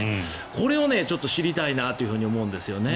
これを知りたいなと思うんですよね。